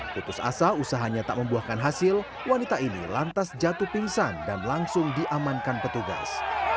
putus asa usahanya tak membuahkan hasil wanita ini lantas jatuh pingsan dan langsung diamankan petugas